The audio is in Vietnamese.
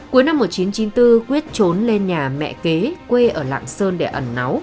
cuối năm một nghìn chín trăm chín mươi bốn quyết trốn lên nhà mẹ kế quê ở lạng sơn để ẩn náu